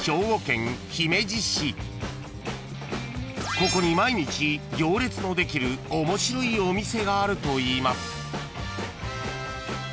［ここに毎日行列のできる面白いお店があるといいます］